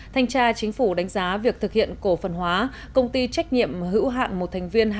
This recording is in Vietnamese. thanh tra chính phủ đánh giá việc thực hiện cổ phần hóa công ty trách nhiệm hữu hạn một thành viên